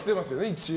一応。